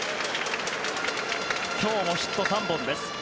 今日もヒット３本です。